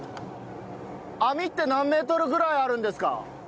網って何メートルぐらいあるんですか？